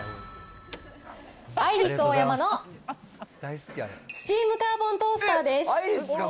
アイリスオーヤマのスチームカーボントースターです。